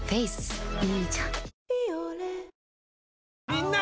みんな！